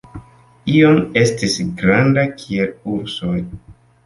Iom estis granda kiel ursoj.